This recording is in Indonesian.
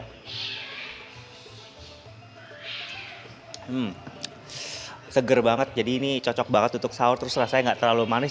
hmm seger banget jadi ini cocok banget untuk sahur terus rasanya nggak terlalu manis